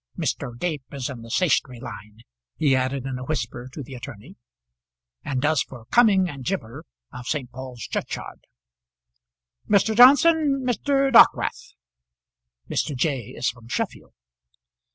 "Mr. Gape is in the stationery line," he added, in a whisper to the attorney, "and does for Cumming and Jibber of St. Paul's Churchyard. Mr. Johnson, Mr. Dockwrath. Mr. J. is from Sheffield.